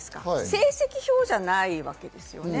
成績表じゃないわけですよね。